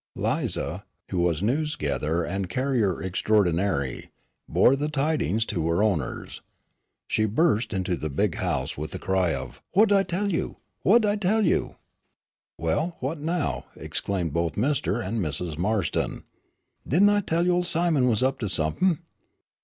Lize, who was news gatherer and carrier extraordinary, bore the tidings to her owners. She burst into the big house with the cry of "Whut I tell you! Whut I tell you!" "Well, what now," exclaimed both Mr. and Mrs. Marston. "Didn' I tell you ol' Simon was up to some'p'n?"